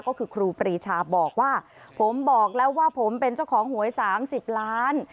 ก็คือครูปรีชาบอกว่าผมบอกแล้วว่าผมเป็นเจ้าของหวย๓๐ล้าน